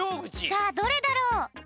さあどれだろう？